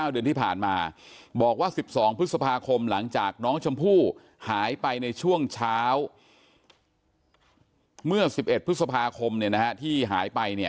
ที่ผ่านมาบอกว่า๑๒พฤษภาคมหลังจากน้องชมพู่หายไปในช่วงเช้าเมื่อ๑๑พฤษภาคมที่หายไปเนี่ย